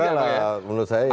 ya juga lah menurut saya ya tadi